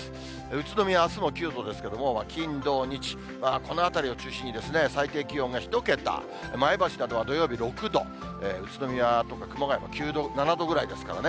宇都宮、あすも９度ですけれども、金、土、日、このあたりを中心に最低気温が１桁、前橋などは土曜日６度、宇都宮とか熊谷は９度、７度ぐらいですからね。